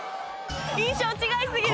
印象違いすぎる。